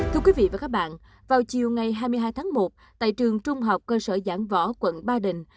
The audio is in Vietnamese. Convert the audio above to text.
thưa quý vị và các bạn vào chiều ngày hai mươi hai tháng một tại trường trung học cơ sở giảng võ quận ba đình